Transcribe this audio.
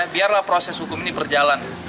biarlah proses hukum ini berjalan